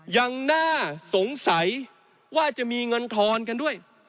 ยังน่าสงสัยว่าจะมีเงินทอนกันด้วย